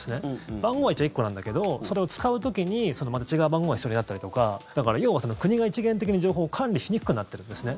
番号は一応、１個なんだけどそれを使う時にまた違う番号が必要になったりとかだから、要は国が一元的に情報を管理しにくくなってるんですね。